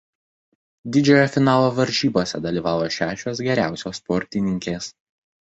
Didžiojo finalo varžybose dalyvavo šešios geriausios sportininkės.